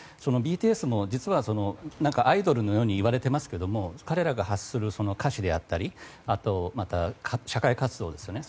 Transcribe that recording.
そのＢＴＳも実はアイドルのように言われていますけれども彼らが発する歌詞であったりまた、社会活動ですよね。